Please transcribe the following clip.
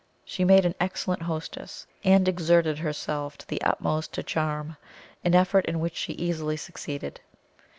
She made an excellent hostess, and exerted herself to the utmost to charm an effort in which she easily succeeded.